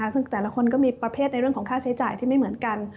ซึ่งแต่ละคนก็มีประเภทในเรื่องของค่าใช้จ่ายที่ไม่เหมือนกัน